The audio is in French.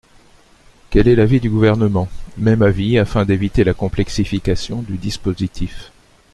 Quel est l’avis du Gouvernement ? Même avis, afin d’éviter la complexification du dispositif.